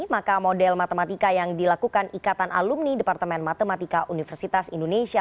maka model matematika yang dilakukan ikatan alumni departemen matematika universitas indonesia